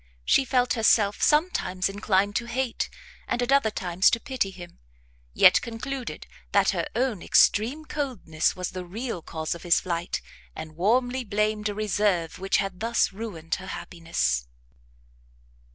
She felt herself sometimes inclined to hate, and at other times to pity him; yet concluded that her own extreme coldness was the real cause of his flight, and warmly blamed a reserve which had thus ruined her happiness.